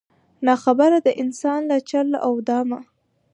نا خبره د انسان له چل او دامه